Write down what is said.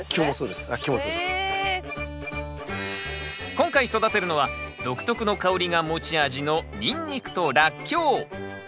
今回育てるのは独特の香りが持ち味のニンニクとラッキョウ。